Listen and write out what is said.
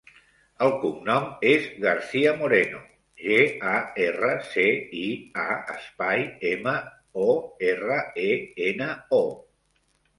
El cognom és Garcia Moreno: ge, a, erra, ce, i, a, espai, ema, o, erra, e, ena, o.